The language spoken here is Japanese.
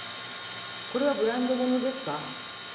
これはブランド物ですか？